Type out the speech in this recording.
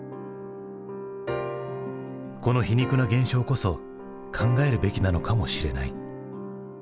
この皮肉な現象こそ考えるべきなのかもしれない。